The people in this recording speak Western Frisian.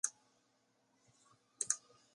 Dat boek wurdt no freed yn Amsterdam presintearre.